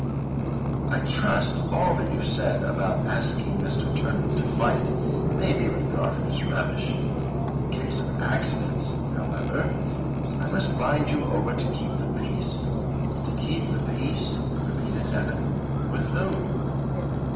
I trust all that you said about asking Mr. Turnbull to fight, may be regarded as rubbish. In case of accidents, however, I must bind you over to keep the peace." "To keep the peace," repeated Evan, "with whom?"